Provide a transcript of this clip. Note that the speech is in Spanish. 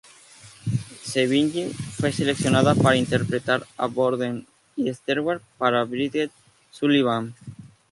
Sevigny, fue seleccionada para interpretar a Borden, y Stewart para Bridget Sullivan.